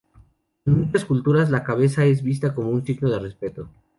En muchas culturas, la cabeza es vista como un signo de respeto.